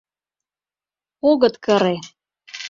Огыт кыре.